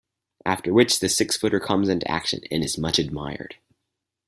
After which the six-footer comes into action and is much admired.